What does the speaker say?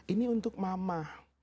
ini untuk mama